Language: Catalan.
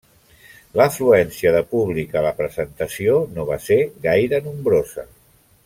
L'afluència de públic a la presentació no va ser gaire nombrosa.